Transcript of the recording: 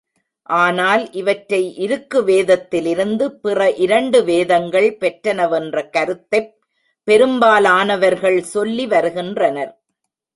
ஆனால் இவற்றை இருக்கு வேதத்திலிருந்து பிற இரண்டு வேதங்கள் பெற்றனவென்ற கருத்தைப் பெரும்பாலானவர்கள் சொல்லி வருகின்றனர்.